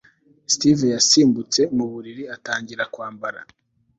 steve yasimbutse mu buriri atangira kwambara